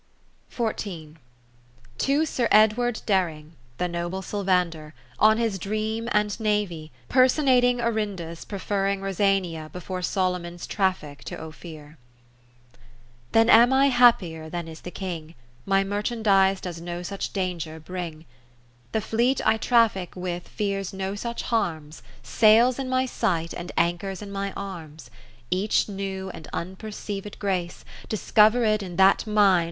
30 To Sir Edward Dering (the Noble Silvander) on his Dream and Navy, person ating Orinda's preferring Rosania before Solomon's Traffic to Ophir Then am I happier than is the King; My merchatidise does no such danger bring : (517) The fleet I traffic with fears no such harms, Sails in my sight, and anchors iti my arms. Each new and unperceived grace Discovered in that mind a?